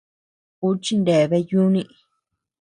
Uu chineabea yúni.